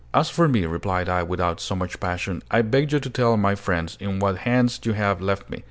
"As for me," replied I, without so much passion, "I beg you to tell my friends in what hands you have left me.